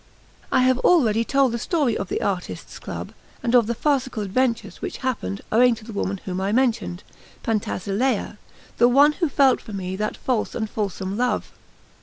I have already told the story of the artists' club, and of the farcical adventures which happened owing to the woman whom I mentioned, Pantasilea, the one who felt for me that false and fulsome love.